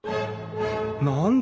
何だ？